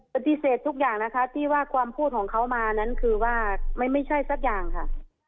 ปฏิเสธทุกอย่างนะคะที่ว่าความพูดของเขามานั้นคือว่าไม่ใช่สักอย่างค่ะ